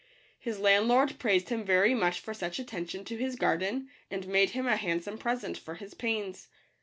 His landlord praised him very much for such attention to his garden, and made him a handsome present for his pains.